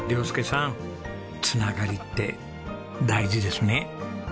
亮佑さん繋がりって大事ですね。